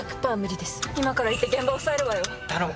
今から行って現場押さえるわよ。